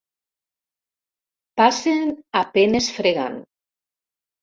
Passen a penes fregant.